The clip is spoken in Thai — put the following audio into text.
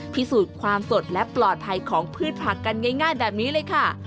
พิสูจน์ความสดและปลอดภัยของพืชผักกันง่ายแบบนี้เลยค่ะ